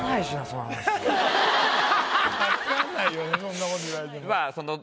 そんなこと言われても。